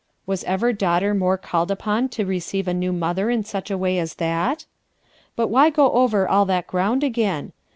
Was ever daughter before called upon to re ceive a new mother in such way as that? But why go over all that ground again?